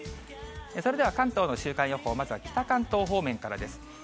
それでは関東の週間予報、まずは北関東方面からです。